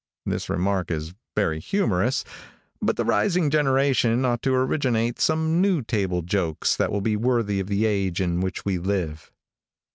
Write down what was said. This remark is very humorous, but the rising generation ought to originate some new table jokes that will be worthy of the age in which we live.